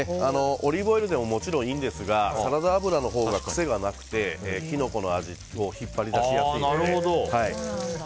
オリーブオイルでももちろんいいんですがサラダ油のほうが癖がなくてキノコの味を引っ張り出しやすいので。